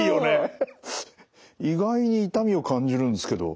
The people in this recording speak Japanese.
意外に痛みを感じるんですけど。